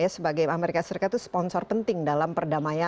sebagai amerika serikat itu sponsor penting dalam perdamaian